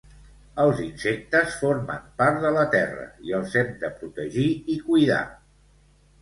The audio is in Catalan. Els insectes formen part de la terra i els hem de protegir i cuidar